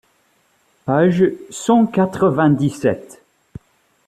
Page cent quatre-vingt-dix-sept.